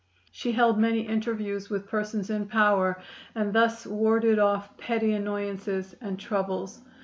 She held many interviews with persons in power, and thus warded off petty annoyances and troubles.